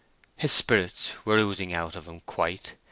His spirits were oozing out of him quite.